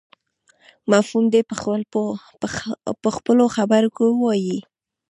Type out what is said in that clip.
مفهوم دې په خپلو خبرو کې ووایي.